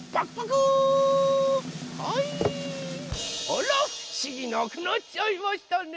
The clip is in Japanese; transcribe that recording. あらふしぎなくなっちゃいましたね。